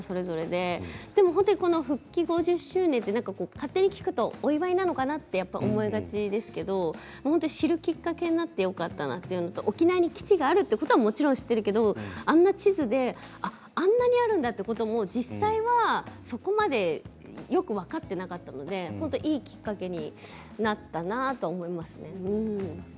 でも本当に復帰５０周年って勝手に聞くとお祝いなのかなって思いがちですけれど知るきっかけになってよかったなというのと沖縄に基地があるいうことはもちろん知っているけれどあんなに地図であんなにあるんだということも実際はそこまでよく分かっていなかったので本当にいいきっかけになったなと思いますね。